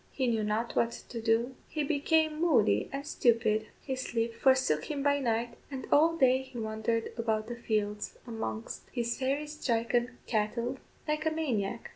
He knew not what to do; he became moody and stupid; his sleep forsook him by night, and all day he wandered about the fields, amongst his "fairy stricken" cattle like a maniac.